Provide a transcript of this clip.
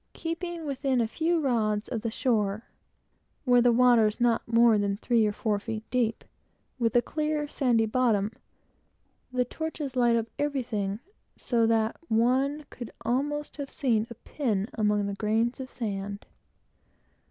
Keeping within a few rods of the shore, where the water is not more than three or four feet deep, with a clear sandy bottom, the torches light everything up so that one could almost have seen a pin among the grains of sand.